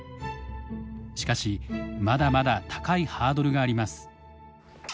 しかしまだまだ高いハードルがあります。